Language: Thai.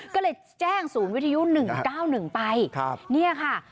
ก็เลยแจ้งศูนย์วิทยุ๑๙๑ไปเนี่ยค่ะ